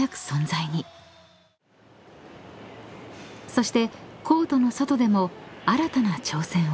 ［そしてコートの外でも新たな挑戦を］